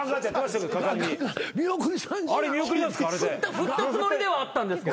振ったつもりではあったんですけど。